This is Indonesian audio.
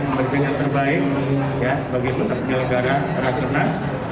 memberikan yang terbaik ya sebagai kota penyelenggara terakernas